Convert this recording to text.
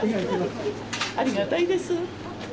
ありがたいです。